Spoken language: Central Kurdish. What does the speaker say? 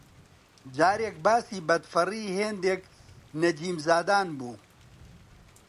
جارێک باسی بەدفەڕی هێندێک نەجیمزادان بوو